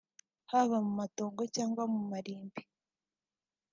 haba mu matongo cyangwa mu marimbi